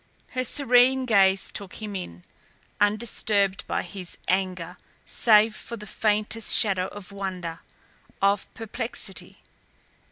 Her serene gaze took him in, undisturbed by his anger save for the faintest shadow of wonder, of perplexity.